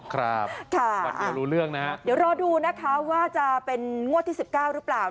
ครับค่ะวันเดียวรู้เรื่องนะฮะเดี๋ยวรอดูนะคะว่าจะเป็นงวดที่๑๙หรือเปล่า